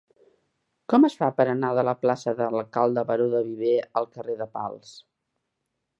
Com es fa per anar de la plaça de l'Alcalde Baró de Viver al carrer de Pals?